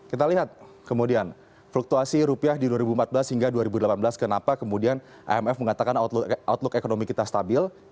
kita lihat kemudian fluktuasi rupiah di dua ribu empat belas hingga dua ribu delapan belas kenapa kemudian imf mengatakan outlook ekonomi kita stabil